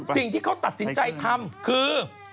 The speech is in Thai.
สิ่งที่เขาตัดสินใจทำคือ